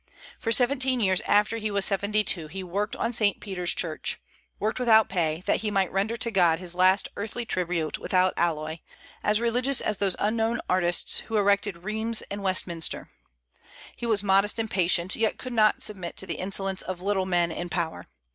For seventeen years after he was seventy two he worked on St. Peter's church; worked without pay, that he might render to God his last earthly tribute without alloy, as religious as those unknown artists who erected Rheims and Westminster. He was modest and patient, yet could not submit to the insolence of little men in power.